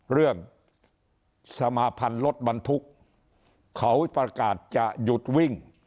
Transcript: สมาพันธ์รถบรรทุกเขาประกาศจะหยุดวิ่ง